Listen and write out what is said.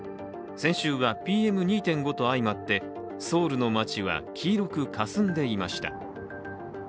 先週はＰＭ２．５と相まってソウルの街は黄色くかすんでいました。